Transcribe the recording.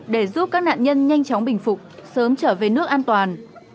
để giúp các nạn nhân nhanh chóng bình phục sớm trở về nước an toàn